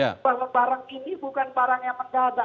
bahwa barang ini bukan barang yang mendadak